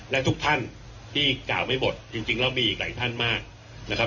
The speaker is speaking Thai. และทุกท่านที่กล่าวไม่หมดจริงแล้วมีอีกหลายท่านมากนะครับ